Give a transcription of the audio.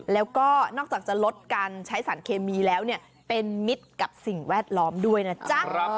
แล้วก็นอกจากจะลดการใช้สารเคมีแล้วเป็นมิตรกับสิ่งแวดล้อมด้วยนะจ๊ะ